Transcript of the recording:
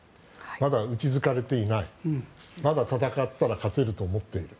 また撃ち疲れていないまだ戦ったら勝てると思っている。